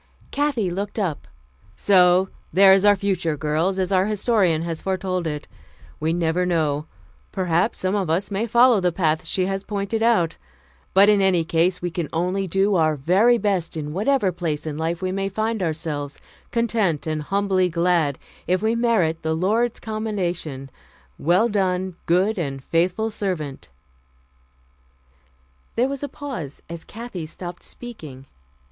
Kathy looked up. "So there is our future, girls, as our Historian has foretold it. We never know. Perhaps some of us may follow the paths she has pointed out. But in any case we can only do our very best in whatever place in life we may find ourselves, content and humbly glad if we merit the Lord's commendation, 'Well done, good and faithful servant '" There was a pause as Kathy stopped speaking.